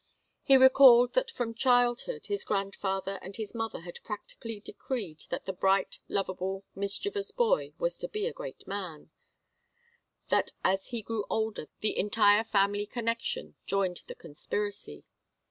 He recalled that from childhood his grandfather and his mother had practically decreed that the bright, lovable, mischievous boy was to be a great man; that as he grew older the entire family connection joined the conspiracy.